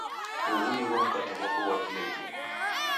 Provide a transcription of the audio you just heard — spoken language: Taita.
Ughu nigho mkate ghwapo ghwa kila ituku.